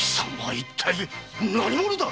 一体何者だ！